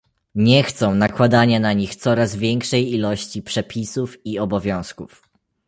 Nie chcą nakładania na nich coraz większej ilości przepisów i obowiązków